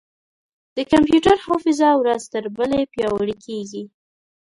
د کمپیوټر حافظه ورځ تر بلې پیاوړې کېږي.